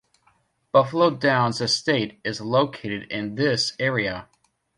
Buffalo Downs estate is located in this area.